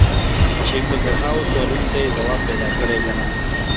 چې په زرهاوو سوالونو ته یې ځواب پیدا کړی که نه.